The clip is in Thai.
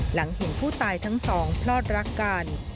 หลังเห็นผู้ตายทั้งสองพลอดรักกัน